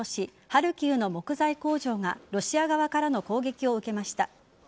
ハルキウの木材工場がロシア側からの攻撃を受けました。